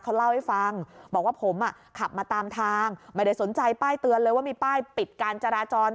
เขาเล่าให้ฟังบอกว่าผมอ่ะขับมาตามทางไม่ได้สนใจป้ายเตือนเลยว่ามีป้ายปิดการจราจร